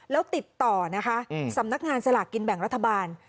แล้วติดต่อนะคะสำนักงานสลากกินแบ่งรัฐบาล